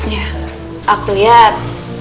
ya aku lihat